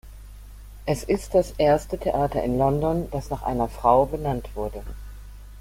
Es ist das erste Theater in London, das nach einer Frau benannt wurde.